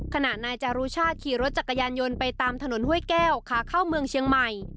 ขณะนายจารุชาติขี่รถจักรยานยนต์ไปตามถนนห้วยแก้วขาเข้าเมืองเชียงใหม่